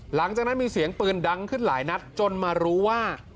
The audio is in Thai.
หลังจากนั้นมีเสียงปืนดังขึ้นหลายนัดจนมารู้ว่า